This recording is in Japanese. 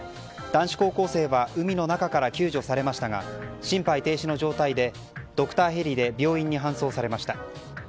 男子高校生は海の中から救助されましたが心肺停止の状態でドクターヘリで病院に搬送されました。